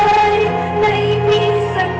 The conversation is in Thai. ขอบคุณทุกเรื่องราว